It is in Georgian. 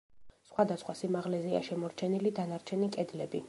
სხვადასხვა სიმაღლეზეა შემორჩენილი დანარჩენი კედლები.